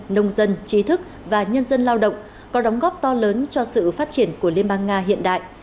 nông dân trí thức và nhân dân lao động có đóng góp to lớn cho sự phát triển của liên bang nga hiện đại